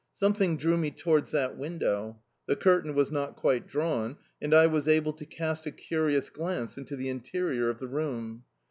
Something drew me towards that window. The curtain was not quite drawn, and I was able to cast a curious glance into the interior of the room.